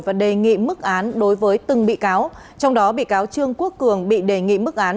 và đề nghị mức án đối với từng bị cáo trong đó bị cáo trương quốc cường bị đề nghị mức án